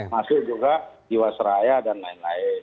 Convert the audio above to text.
masuk juga jiwasraya dan lain lain